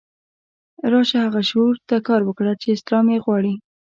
راشه هغه شعور ته کار وکړه چې اسلام یې غواړي.